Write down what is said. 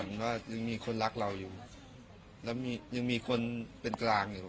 มันถึงมันทำดีอยู่แล้วก็ความรู้สึกฝรั่งมันตื้นตันทำไมคะ